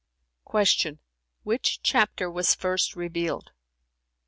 Q "Which chapter was first revealed?"